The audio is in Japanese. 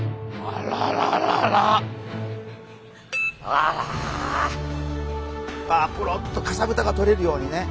あららポロッとかさぶたが取れるようにね。